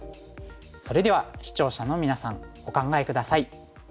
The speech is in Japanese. それでは視聴者のみなさんお考え下さい。